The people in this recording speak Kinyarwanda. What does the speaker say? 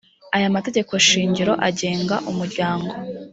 aya mategeko shingiro agenga umuryango